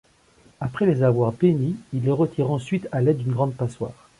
Après les avoir bénis, il les retire ensuite à l'aide d'une grande passoire.